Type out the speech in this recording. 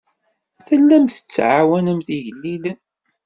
Tellamt tettɛawanemt igellilen.